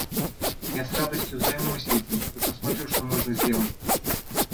Я с радостью займусь этим и посмотрю, что можно сделать.